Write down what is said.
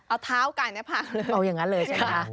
เอาเท้าไก่หน้าผากเลยเอาอย่างนั้นเลยใช่ไหมคะ